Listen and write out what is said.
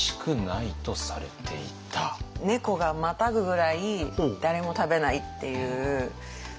猫がまたぐぐらい誰も食べないっていう部分でしたね。